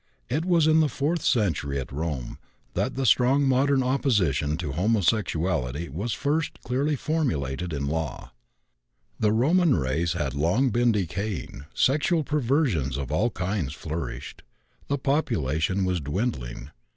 It was in the fourth century, at Rome, that the strong modern opposition to homosexuality was first clearly formulated in law. The Roman race had long been decaying; sexual perversions of all kinds flourished; the population was dwindling.